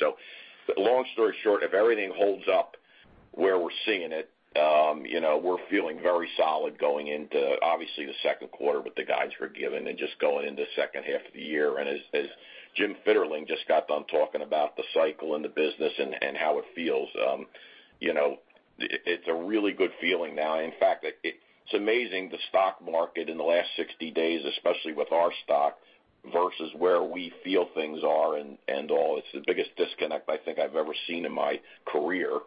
Long story short, if everything holds up where we're seeing it, we're feeling very solid going into, obviously, the second quarter with the guides we're given and just going into the second half of the year. As Jim Fitterling just got done talking about the cycle and the business and how it feels, it's a really good feeling now. In fact, it's amazing the stock market in the last 60 days, especially with our stock, versus where we feel things are and all. It's the biggest disconnect I think I've ever seen in my career.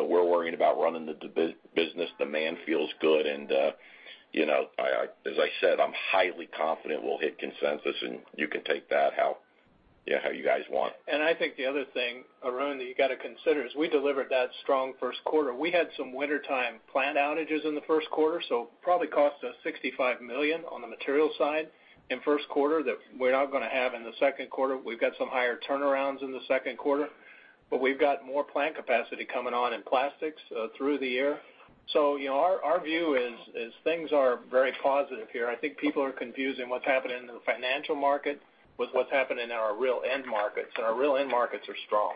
We're worrying about running the business. Demand feels good. As I said, I'm highly confident we'll hit consensus, and you can take that how you guys want. I think the other thing, Arun, that you got to consider is we delivered that strong first quarter. We had some wintertime plant outages in the first quarter, so probably cost us $65 million on the materials side in first quarter that we're not going to have in the second quarter. We've got some higher turnarounds in the second quarter. We've got more plant capacity coming on in plastics through the year. Our view is things are very positive here. I think people are confusing what's happening in the financial market with what's happening in our real end markets, and our real end markets are strong.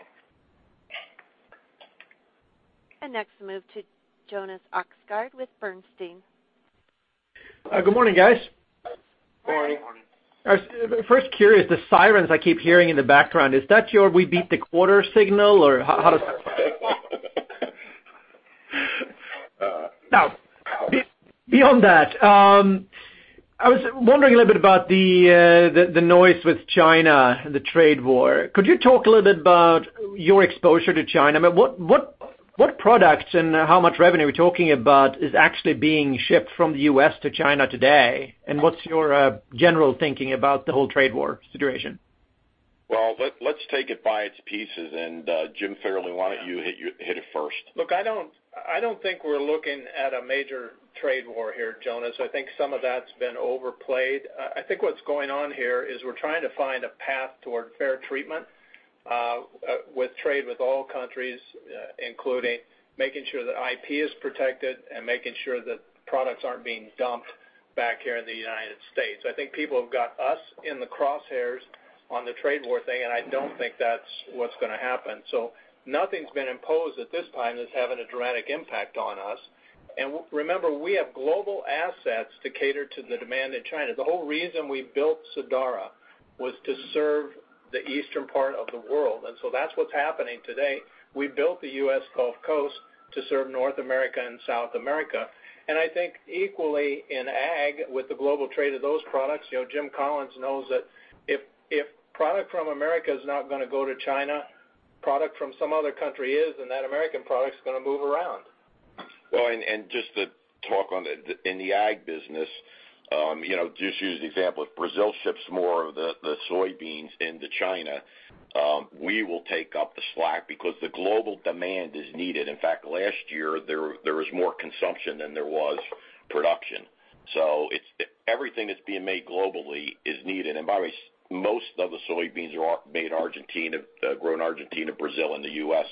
Next we move to Jonas Oxgaard with Bernstein. Good morning, guys. Good morning. Good morning. First, curious, the sirens I keep hearing in the background, is that your we beat the quarter signal? Or how does that? Beyond that, I was wondering a little bit about the noise with China and the trade war. Could you talk a little bit about your exposure to China? What products and how much revenue are we talking about is actually being shipped from the U.S. to China today? What's your general thinking about the whole trade war situation? Let's take it by its pieces. Jim Fitterling, why don't you hit it first? I don't think we're looking at a major trade war here, Jonas. I think some of that's been overplayed. I think what's going on here is we're trying to find a path toward fair treatment with trade with all countries, including making sure that IP is protected and making sure that products aren't being dumped back here in the United States. I think people have got us in the crosshairs on the trade war thing, and I don't think that's what's going to happen. Nothing's been imposed at this time that's having a dramatic impact on us. Remember, we have global assets to cater to the demand in China. The whole reason we built Sadara was to serve the eastern part of the world, that's what's happening today. We built the U.S. Gulf Coast to serve North America and South America. I think equally in Ag with the global trade of those products, Jim Collins knows that if product from the U.S. is not going to go to China, product from some other country is, and that U.S. product's going to move around. Just to talk on in the Ag business, just use the example, if Brazil ships more of the soybeans into China, we will take up the slack because the global demand is needed. In fact, last year, there was more consumption than there was production. Everything that's being made globally is needed. By the way, most of the soybeans are grown in Argentina, Brazil, and the U.S.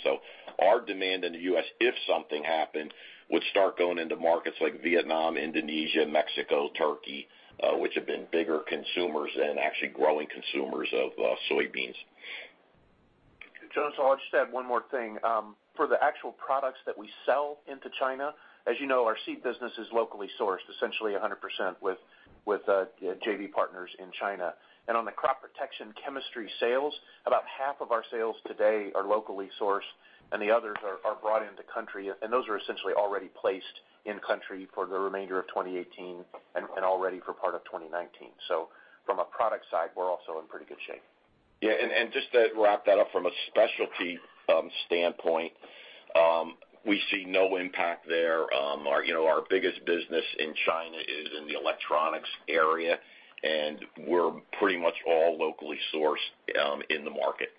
Our demand in the U.S., if something happened, would start going into markets like Vietnam, Indonesia, Mexico, Turkey, which have been bigger consumers and actually growing consumers of soybeans. Jonas, I'll just add one more thing. For the actual products that we sell into China, as you know, our seed business is locally sourced, essentially 100% with JV partners in China. On the crop protection chemistry sales, about half of our sales today are locally sourced, and the others are brought into country, and those are essentially already placed in country for the remainder of 2018 and already for part of 2019. From a product side, we're also in pretty good shape. Just to wrap that up from a specialty standpoint, we see no impact there. Our biggest business in China is in the electronics area, and we're pretty much all locally sourced in the market.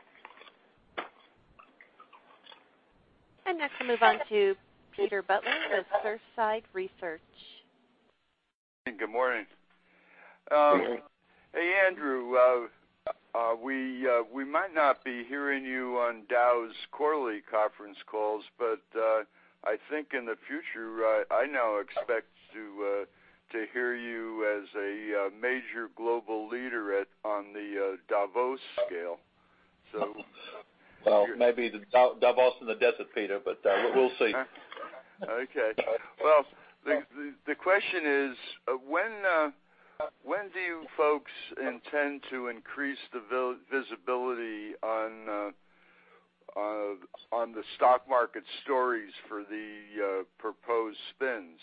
Next we move on to Peter Butler with Surfside Research. Good morning. Good morning. Hey, Andrew, we might not be hearing you on Dow's quarterly conference calls, I think in the future, I now expect to hear you as a major global leader on the Davos scale. Well, maybe the Davos in the desert, Peter, we'll see. Okay. Well, the question is, when do you folks intend to increase the visibility on the stock market stories for the proposed spins?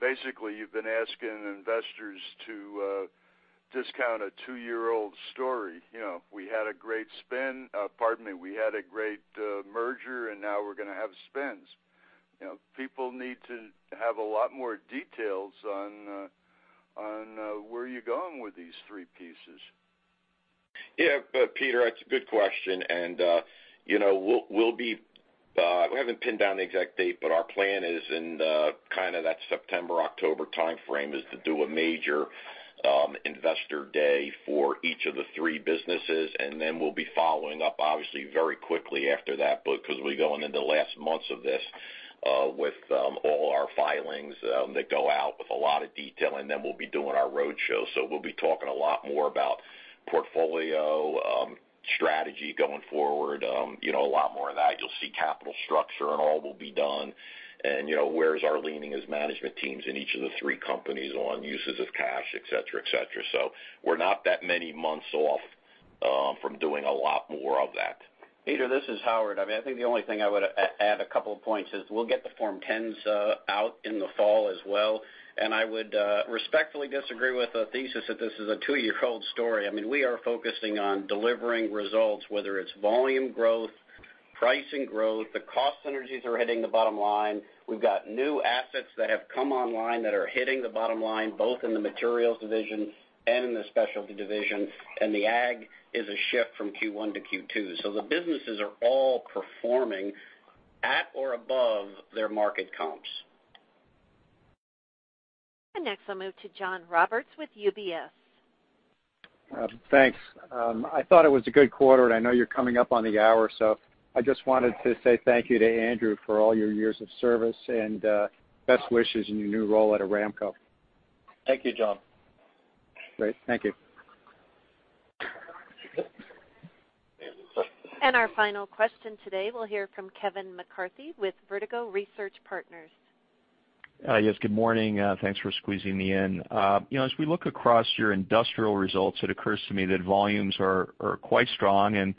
Basically, you've been asking investors to discount a two-year-old story. We had a great merger, now we're going to have spins. People need to have a lot more details on where you're going with these three pieces. Yeah, Peter, that's a good question. We haven't pinned down the exact date, our plan is in that September, October timeframe is to do a major investor day for each of the three businesses, then we'll be following up, obviously, very quickly after that because we're going into the last months of this with all our filings that go out with a lot of detail, then we'll be doing our roadshow. We'll be talking a lot more about portfolio strategy going forward. A lot more of that. You'll see capital structure and all will be done, where's our leaning as management teams in each of the three companies on uses of cash, et cetera. We're not that many months off from doing a lot more of that. Peter, this is Howard. I think the only thing I would add a couple of points is we'll get the Form 10s out in the fall as well, I would respectfully disagree with the thesis that this is a two-year-old story. We are focusing on delivering results, whether it's volume growth, pricing growth. The cost synergies are hitting the bottom line. We've got new assets that have come online that are hitting the bottom line, both in the materials division and in the specialty division, the Ag is a shift from Q1 to Q2. The businesses are all performing at or above their market comps. Next, I'll move to John Roberts with UBS. Thanks. I thought it was a good quarter, and I know you're coming up on the hour, so I just wanted to say thank you to Andrew for all your years of service, and best wishes in your new role at Aramco. Thank you, John. Great. Thank you. Our final question today, we'll hear from Kevin McCarthy with Vertical Research Partners. Yes, good morning. Thanks for squeezing me in. As we look across your industrial results, it occurs to me that volumes are quite strong in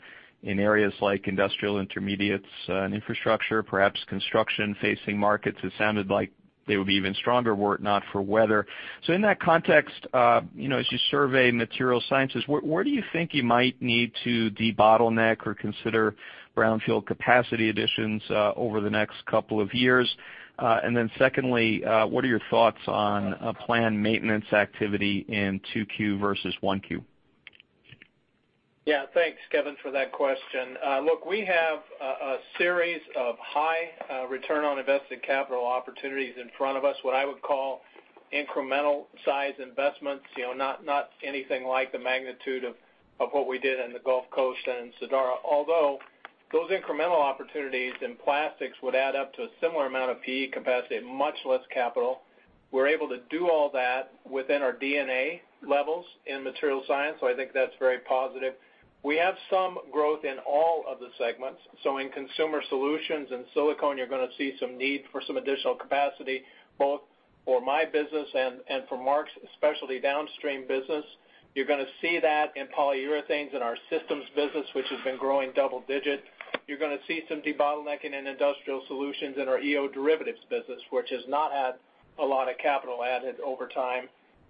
areas like Industrial Intermediates & Infrastructure, perhaps construction-facing markets. It sounded like they would be even stronger were it not for weather. In that context, as you survey Materials Science, where do you think you might need to debottleneck or consider brownfield capacity additions over the next couple of years? Secondly, what are your thoughts on planned maintenance activity in 2Q versus 1Q? Thanks, Kevin, for that question. Look, we have a series of high return on invested capital opportunities in front of us, what I would call incremental size investments. Not anything like the magnitude of what we did in the Gulf Coast and Sadara, although those incremental opportunities in plastics would add up to a similar amount of PE capacity at much less capital. We're able to do all that within our D&A levels in Materials Science, I think that's very positive. We have some growth in all of the segments. In Consumer Solutions and silicone, you're going to see some need for some additional capacity, both for my business and for Marc's specialty downstream business. You're going to see that in polyurethanes in our systems business, which has been growing double digit. You're going to see some debottlenecking in industrial solutions in our EO derivatives business, which has not had a lot of capital added over time.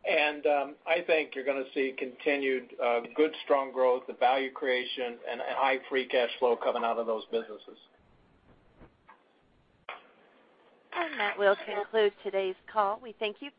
I think you're going to see continued good, strong growth and value creation and high free cash flow coming out of those businesses. That will conclude today's call. We thank you for.